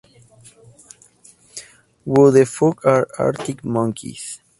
Who the Fuck Are Arctic Monkeys?